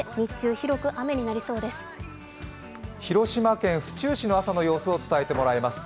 広島県府中市の朝の様子を伝えてもらいます。